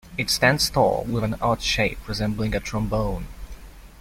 It stands tall, with an odd shape resembling a trombone.